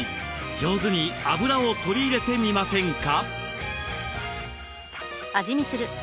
上手にあぶらを取り入れてみませんか。